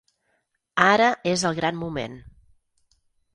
Ara és el gran moment.